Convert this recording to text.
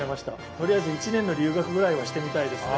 とりあえず１年の留学ぐらいはしてみたいですね。